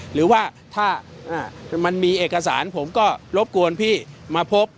หรือว่าถ้ามันมีเอกสารผมก็รบกวนพี่มาพบ